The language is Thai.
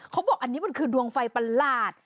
เขาบอกอันนี้มันคือดวงไฟประหลาด